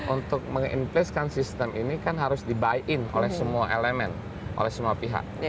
untuk menge in placekan sistem ini kan harus dibuy in oleh semua elemen oleh semua pihak